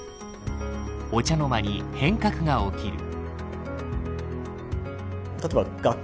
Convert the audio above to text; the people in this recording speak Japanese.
お茶の間に変革が起きる。